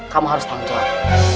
kamu harus tanggung jawab